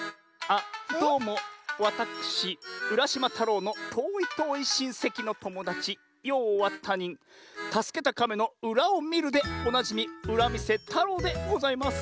あっどうもわたくしうらしまたろうのとおいとおいしんせきのともだちようはたにんたすけたかめのうらをみるでおなじみうらみせたろうでございます。